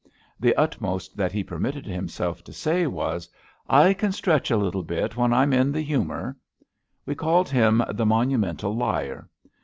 The utmost that he permitted himself to say was: I can stretch a little bit when I'm in the hu mour.'' We called him the Monumental Liar.